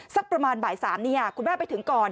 สักประมาณบ่าย๓คุณแม่ไปถึงก่อน